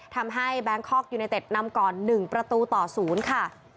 ทำให้แบงคอกยูไนเต็ดนำก่อน๑ประตูต่อศูนย์ค่ะ